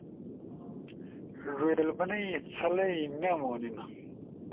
ڙُوئیل بنَئی: ”تھلا ئی مأ مونیِن۔